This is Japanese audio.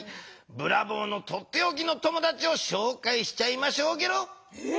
ブラボーのとっておきの友だちをしょうかいしちゃいましょうゲロ。え？